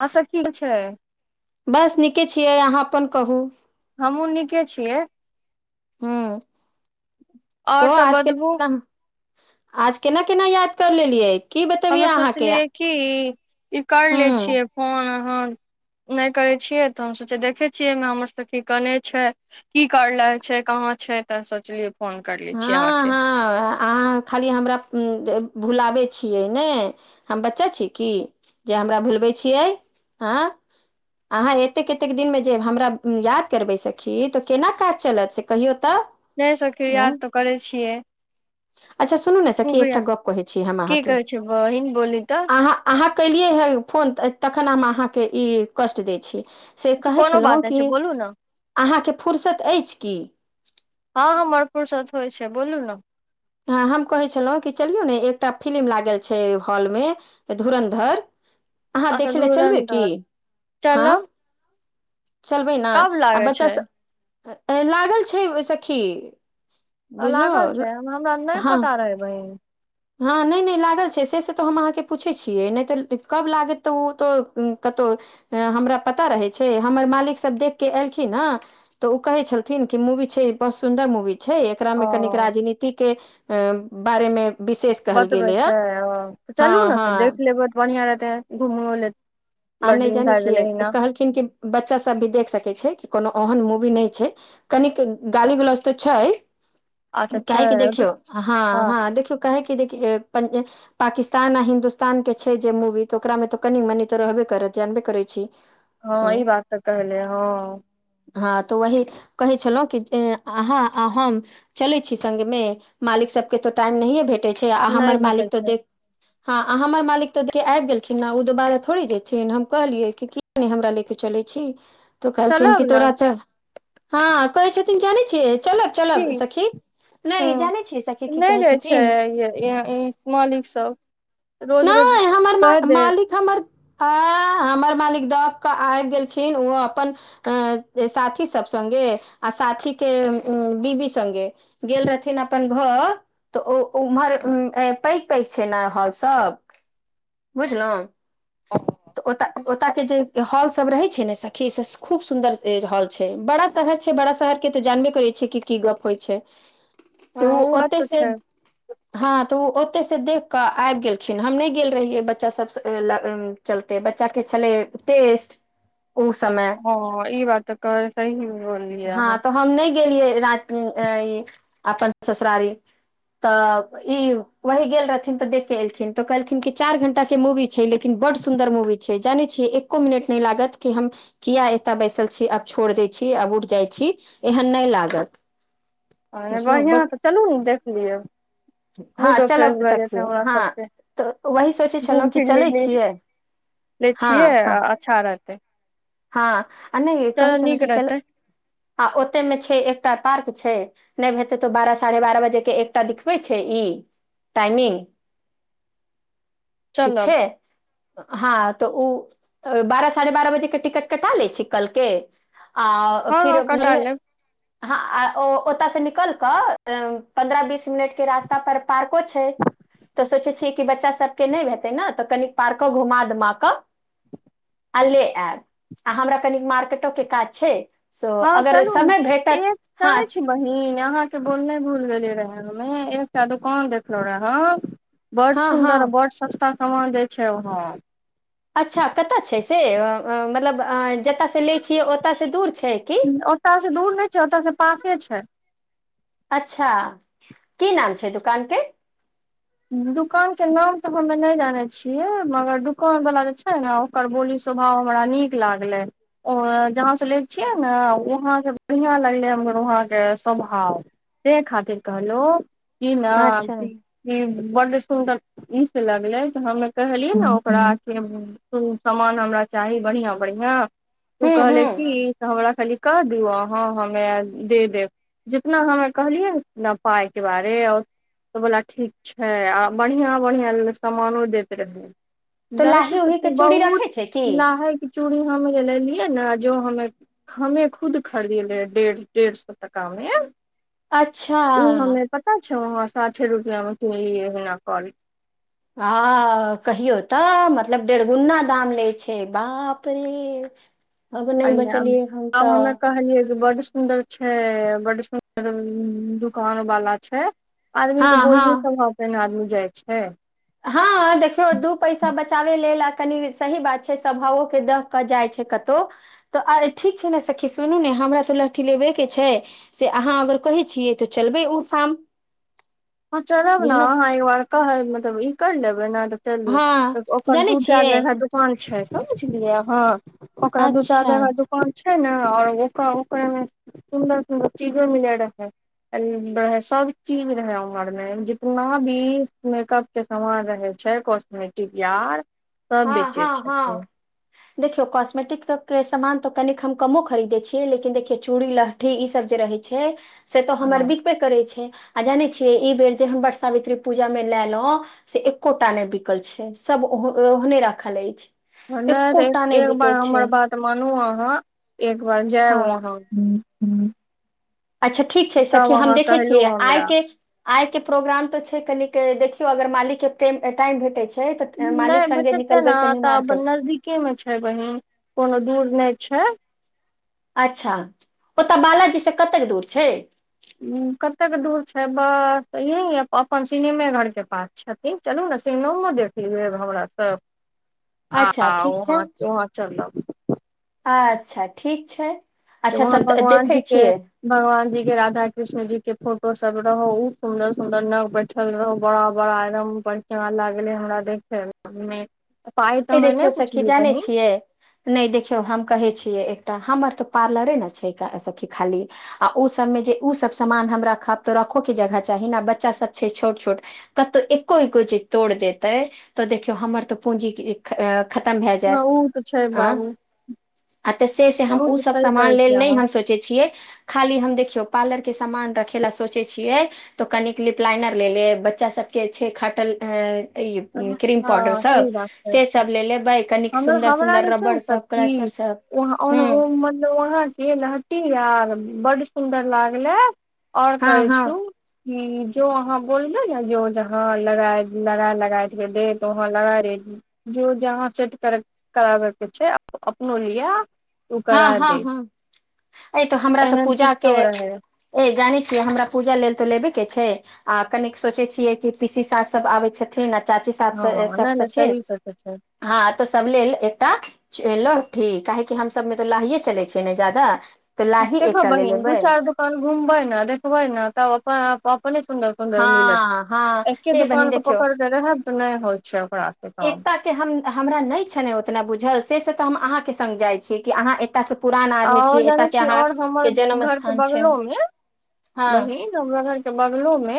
ह त ठीक छै। बस नीके छियै, अहाँ अपन कहू। हमहुँ नीके छियै। हू तो और सब आजके बतबू नाम आज केना केना याद कर लेलियै। की बतबियै हमे अहाँके सोचलियै कि ई कर ले हूँ छियै फोन अहन। नहि करै छियै तऽ हम सोचे देखै छियै एहिमे हमर सभ की कने छै। की करले छै, कहाँ छै, तऽ सोचलियै। फोन करले छियै हँ, अहाँके हँ। अहाँ खाली हमरा भुलाबै छियै, ने हम बच्चा छिये कि। जे हमरा भुलबै छियै आँय। अहाँ एतेक एतेक दिनमे जे हमरा याद करबै सखी तऽ केना काज चलत से कहियौ तऽ। नहि सखी उ याद तऽ करै छियै। अच्छा सुनूने सखी खूब एकटा याद गप कहै छी हम की अहाँकेँ कहै छै बहिन बोली तऽ अहाँ अहाँ केलियै हे फोनऽ तखन हम अहाँकेँ ई कष्ट दै छै से अच्छा कहै कोनो छलहुँ बात नहि छै कि बोलू ने अहाँकेँ फुर्सत अछि की। हँ हमर पुरसत होइ छै बोलू नऽ ह, हम कहे छलहुँ कि चलियौ ने एकटा फिलि्म लागल छै हॉलमे। त धुरन्धर अहाँ अच्छा देखै लए चलबै की? धुरन्धर हैं। चलब चलबै ने कब आ लागे बच्चा छै सभ लागल छै, ओहि सखी लागल बुझलहु छै, हमरा नहि हँ पता रहे बहिन। हँ, नहि नहि लागल छै, से तऽ हम अहाँके पूछैत छियै नहि तऽ कब लागत तऽ ओ तऽ कतहु। हमरा पता रहै छै। हमर मालिक सभ देख के एलखिन ह तऽ ओ कहे छलथिन कि मूवी छै, बहुत सुन्दर मूवी छै। एकरा मे कनिक ओ राजनीति के बारेमे विशेष कहल बतबै गेलै ह छै ओ तऽ चलू हँ ने तऽ हँ देख लेबै तऽ बढ़िआँ रहतै घूमो ल आ नहि बड्डिन जानै भै गेल छियै [unintelligible] कहलखिन बच्चा सब भी देख सकै छै कि कोनो ओहन मूवी नहि छै कनिक गाली ग्लाज तऽ छै अच्छा छै काहेकि देखियौ हँ हँ देखियौ कहै कि देख पाकिस्तान आ हिन्दुस्तान के छै जे मूवी तऽ ओकरामे तऽ कनि मने तऽ रहबै कर जानबे करै छी हँ ई बात तऽ कहले हँ हँ तऽ वही कहै छलहुँ कि जे अहाँ हम चले छी संग मे मालिक सबके तो टाइम नहिये भेट नहि र भेटै मालिक त छै ह हमर मालिक तऽ आबि गेलखिन थोड़ी जेथिन हम कहलियै कि किया नहि हमरा ले किच्छो छी त कहलखिन चलब कि ने तोरा च हँ कहै छथिन जानै छियै चलब की चलब सखी नहि जानै छियै सखी की कहै छथिन य मालिक सब रोज रोज नहि हमर मा कह दे मालिक हमर हमर मालिक दऽ कऽ आबि गेलखिन ओ अपन अ साथी सब संगे आ साथी के उ बीबी संगे गेल रहथिन अपन घर तऽ ओ उम्हर पैग पैग छै ने हॉल से सब बुझलहुँ तऽ ओ ओत के जे हॉल सब रहे छै ने सखी से खूब सुन्दर हॉल छै बड़ा शहर छै बड़ा शहर के तऽ जानबे करै छियै कि की गप्प होइ छै त उ हँ ओ बात ओतय तऽ से छै हँ तऽ ओ ओतय से देख कऽ आबि गेल खिन हम नहि गेल रहिए बच्चा सब चलते बच्चा के छले टेस्ट ओ समय हँ ई बात तऽ कह सी बोललियै हँ अहाँ तऽ हम नहि गेलियै रति अपन ससुरार तऽ ई वही गेल रहथिन तऽ देख के एलथिन तऽ कहलखिन क चार घंटा के मूवी छै लेकिन बढ़ सुंदर मूवी छै जानै छियै एको मिनट नहि लागत कि हम किया एतय बैसल छी आब छोड़ दै छी आब उठ जाइ छी एहन नइ लागत ह नहि बुझलहु बढ़िआँ बट तऽ चलू ने देख लियब हँ मूडो फ्रेश चलब भए जेतै सखी हमरा हँ सभके तऽ वही सोचै छलहुँ घूम कि फिर ले चलै ले छियै ले हँ छियै हँ अच्छा रहतै हँ आ नहि कहै चलो छलहु नीक कि चलू रहतै आ ओते में छै एकटा पार्क छै नहि हेतै तऽ बारह साढ़े बारह बजेके एकटा दिखबै छै ई टाइमिंग [inaudible] ठीक चलब छै हँ तऽ ओ बारह साढ़े बारह बजे टिकट कटा लै छी कल के आ हँ फिर हँ कटा लेब हँ आ ओ ओतयसँ निकल कऽ पन्द्रह बीस मिनट के रास्ता पर पार्को छै तऽ सोचै छियै कि बच्चा सबके नइ हेतै ने तऽ कनि पार्को घुमा दुुमा कऽ आ ले आऐब आ हमरा कनि मार्केटो के काज छै सो हँ अगर समय भेटत हँ ई अहाँके बोल नहि भूल गेलियै रहै हमे एकटा दोकान देखलहुँ रहए बड्ड हँ हँ सुन्दर बड्ड सस्ता सामान दै छै वहाँ अच्छा कतऽ छै से मतलब जतऽ से ले छियै ओतऽ से दूर छै कि ओतय से दूर नइ छै ओतऽ से पासे छै अच्छा की नाम छै दुकान केँ दुकान के नाम तऽ हमे नइ जानै छियै मगर दुकान वला जे छै नाय ओकर बोली स्वभाव हमरा नीक लागलै ओ जहाँसँ लै छियै ने वहाँके बढ़िआँ लगलै हमर वहाँके स्वभाव से खातिर कहलौं किन अच्छा बड्ड सुन्दर ई से लगले हमे कहलियै ने ओकरा सामान हमरा चाही बढ़ियां बढ़ियां त हूँ कहले की हूँ तऽ हमरा खाली कऽ दि अहाँ हमे दे देब जितना हमे कहलियै होत [unintelligible] ना पाइके बारे और बोला ठीक, खास छै आ बढ़िआँ बढ़िआँ समानो दैत रहै तऽ जानै लाही उही छै के चूड़ी बहुत रखै छै की नहायके चूड़ी हम जे लेलियै ने जो हमे हमे खुद खरीदले है डेढ़ डेढ़ सए टाकामे अच्छा पता छौ हमरा साठे रुपआ मे किनलियै एहिना कर आ कहियो तऽ मतलब डेढ़गुना दाम ले छै बाप रे अब नहि बचलियै हम आब हमे तऽ कहलियै जे बड सुन्दर। छै बड सुन्दर दुकान वाला छै आदमी के हँ हँ बोलियो सब। तेए न आदमी जाइ छै। हँ देखियौ दू पैसा बचाबे लेल आ कनि सही बात छै स्वभावोके दखऽ कऽ जाइ छै कतहो तऽ आइ ठीक छै ने सखी सुनू ने हमरा तअ लहठी लेबे के छै। से अहाँ अगर कहै छियै तऽ चलबै उठाम। हँ चलब न अहाँ एकबार कहब मतलब ई कर लेबै नहि तऽ। चलू हँ तऽ अोकर जानै दूटा छियै जगह दू। छै समझलियै अह ओकरा दू चार अच्छा जगह फोन छै ने ओर ओ ओकरामे। सुन्दर सुन्दर चीजो मिलै रहै कनि रहै सब चीज रहै। घरमे जितना भी मेकअप के सामान रहे छै कॉस्मेटिक यार। सब हँ बेचै हँ हँ छै। देखियौ कॉस्मेटिक सब के सामान तऽ कनि हम कमो खरीदयै छियै लेकिन देखियौ चूड़ी लह ठीई सब जे रहै छै से तो हमर हँ विक। बिकबे करै छै आ जानै छियै ई बेर जे हम बट सावित्री पूजा मे लेलहु। से एकोटा नहि बिकल छै सब ओ ओहने रखल अछि। नहि तऽ एकोटा नहि एक बार बिकै हमर छै बात। तऽ मानू अहाँ एक बार हँ जायउ अहाँ। अच्छा ठीक छै सखी हम देखै कहलु छियै आइ हमरा के। आइके प्रोग्राम तऽ छै कनिक देखियौ अगर मालिकके टाइम भेटैत छै। छै तऽ मालिक संगे निकलबै तनी मार्केट। के में छै बहिन कोनो दूर नहि छै। अच्छा, ओतय बालाजीसे कतेक दूर छै। कतेक दूर छै, बस यही अपन सिनेमे घरके पास छथिन चलू ने सिनेमो देख लेब हमरासभ अच्छा, ठीक छै, चलब अच्छा ठीक छै। अच्छा, तब तऽ देखै छियै। भगवानजी के राधा कृष्ण जी के फोटो सभ रहो सुंदर सुंदर नग बैठ। बड़ा बड़ा एकदम बढ़ लागले हमरा डेखेमे ए देखियौ सखी जानै छियै। नहि देखियौ हम कहै छियै एकटा हमर तऽ पार्लरे ने छै, खाली। आ ओ सभमे जे उसब सामान हम राखब तऽ राखोके जगह चाही ने बच्चा सभ छै, छोट छोट कतौ एक्को एक्को जे तोड़ देतै तऽ देखियौ हमर तऽ पूंजी। खतम भए जायत हँ ओ तऽ छै बाबू तऽ से हम ओ तऽ सभ सही समान कहै छी लेल नहि अहाँ हम सच। सोच छियै खाली हम देखियौ पार्लर के सामान रखे ला सोचै छियै। तऽ कनिक लिपलाइनर लेेे लेब बच्चा सबके छै खाटल ए ई क्रीम पाउडर हँ सभ सही बात कहै छै सभ ले लेबै कनिक हम सुन्दर हमरा सुन्दर जे छै ने रबड़ सभ सखी कलचर सभ वहाँ ह ओ मतलब वाहके लहटी आर बड्ड सुंन्दर लागलै और हँ कहै हँ छू कि जो अहाँ बोलले ने जो जहाँ लड़ाई लड़ाए। राति भेलै तोहो लगा रहे छै। जो जहाँ सेट करब कराबके छै, अपनो लिआ हँ, हँ अए तो हमरा तऽ एहन पूजाके सिस्टम रहे ए जानै छियै हमरा पूजा लेल तऽ लेबे के छै आ कनिक सोचै छियै, कि पीसी सास सभ आबै छथ। ने चाची सबसँ हँ नहि सबसँ नहि छै सही सोचै छै हँ, तो सभ लेल एकटा लहठी काहेकि हम। सभमे तऽ लाहैए चलै छै, ने ज्यादा तऽ लाही देख एकटा ले बहिन तू लेबै चार दुकान घुमबै न देखबै ने तऽ अपने सुन। सुन्दर मिलत हँ हँ एके ए बहिन दुकानके देखियौ पकड़के रहब तऽ नइ होइ छै, ओकरा काम एकतेसे हम हमरा नहि छल ओतना बुझल से तऽ हम अहाँकेँ सङ्ग जाइत छै कि अहाँ एतय छै। और जान छीए और हमर जन्म घरके स्थान छै बगलोमे। हँ बहिन हमरा घरके बगलोमे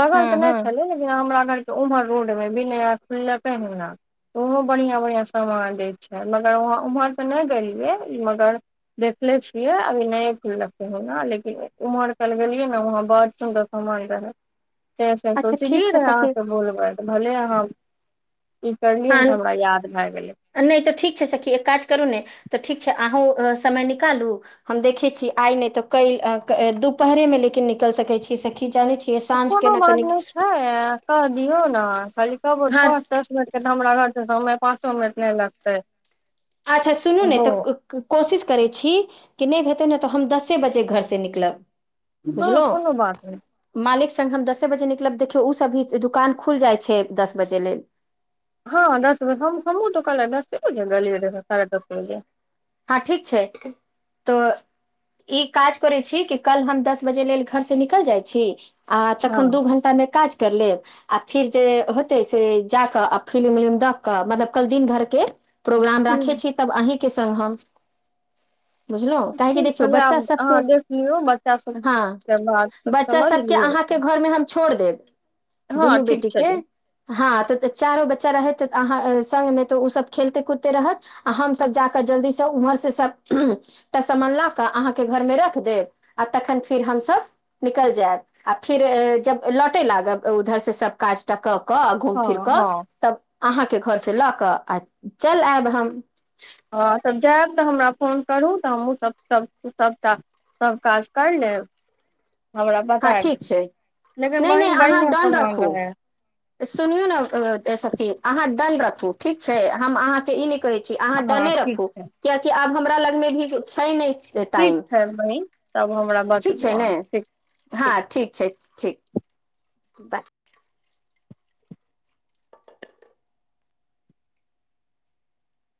बगल हँ तऽ हँ नहि छलै लेकिन। हमरा घर के उम्हर रोड मे बी नया खुललकैह ना ओहो बढ़िया बढ़िया सामान दय छै मगर वहाँ उम्हर ते नहि गेलियै मगर देखले छियै अभी नय फूल ले ह न लेकिन उम्हर कल गेलियै ने वह बड़ सुंदर हमर रह से से अच्छा ठीक सोचलियै छै रह सखी अहाँके बोलबै तऽ भले अहाँ ई करलियै न तऽ हमरा याद भए गेलै नइ तऽ ठीक छै सखी एक काज करू नइ तऽ ठीक छै अहूँ समय निकालू हम देखै छि आइ नइ तऽ कैल दुपहरे मे लेकिन निकैल सकै छी सखी जानै छी कोनो बात नहि छै कहि दियौ ने खाली कहबौ हँ पाँच दस मिन तऽ हमरा [unintelligible] हमरा पाँचो मिनट नहि लगतै अच्छा सुनू ने हो तऽ कोशिश करै छी कि नहि हेतै ने तऽ हम दसे बजे घरसँ निकलब हँ बुझलहुँ कोनो बात नइ मालिक संग हम दसे बजे निकलब देखियौ उ सब भी दुकान खुल जाइ छै दस बजे लेल हँ दस बजे हम हमँ तऽ काल्हे दसे बजे रहल लियए रह साढ़े दस बजे हँ ठीक छै तऽ ई काज करैत छी कि कल हम दस बजे लेल घर से निकल जाइत छी आ हँ तखन दू घण टा मे काज कर लेब आ फिर जे होतै से जा कऽ आ फिलिम उलिम देख कऽ मतलब कल दिन धरके प्रोग्राम राखै हूँ छी तब अहींके संग हम बुझलहुँ काहेकि ठीक देखियौ छलै बच्चा आब अहाँ सबके देख लियौ बच्चा हँ सभके बात सब बच्चा समझ सबके लियौ अहाँके घर मे हम छोड़ देब हँ दुनू ठीक बेटी के छलै हँ त चारो बच्चा रहैत अहाँ संग मे तऽ ओ सब खेलते कूदते रहत आ हम सब जाकऽ जल्दी स उम्हर से सब तऽ समान ल कऽ अहाँके घर मे रख देब आ तखन फेर हमसभ निकल जायब आ फिर जब लौटे लागब उधर से सब काज टा क क आ घूम फिर हँ क हँ तब अहाँके घरसँ लऽ कऽ आ चल आयब हम हँ तऽ जायब तऽ हमरा फोन करूँ तऽ हमहूँ सभ सभटा सब काज कर लेब हमरा बता हँ ठीक छै लेकिन नहि बहिन बढ़िआँ समान रहै सुनियो ने सखी अहाँ डन रखू ठीक छै हम अहाँके ई नहि कहै छी छि अहाँ हँ डने ठीक रखू छै कियाकि आब हमरा लगमे भी छै नहि ठीक टाइम छै बहिन तब हमरा ठीक बतबू छै ने अहाँ ठीक ठीक हँ ठीक छै बात [inaudible]